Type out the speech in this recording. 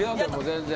全然。